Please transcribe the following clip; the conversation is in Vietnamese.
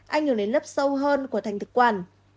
ảnh hưởng đến lớp sâu hơn của thành thực quản